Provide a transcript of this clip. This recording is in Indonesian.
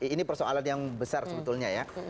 ini persoalan yang besar sebetulnya ya